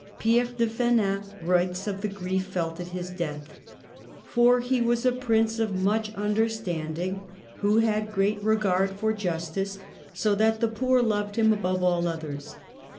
Pierre de Fenin writes of the grief felt at his death, " for he was a prince of much understanding, who had HISTORY OF FEANCE, 1380 1453 215 great regard for justice, so that the poor loved him above all others.